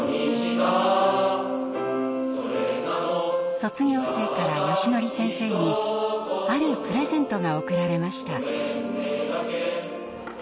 卒業生からよしのり先生にあるプレゼントが贈られました。